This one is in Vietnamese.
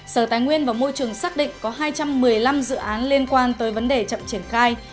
sở tài nguyên và môi trường xác định có hai trăm một mươi năm dự án liên quan tới vấn đề chậm triển khai